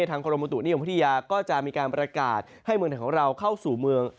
ทางโครมมูตุนิยมพฤธิยาก็จะมีการประกาศให้เมืองของเราเข้าสู่เมือง